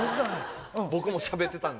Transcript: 僕もしゃべってたんで。